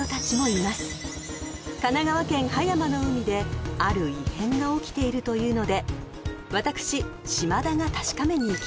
［神奈川県葉山の海である異変が起きているというので私島田が確かめに行きました］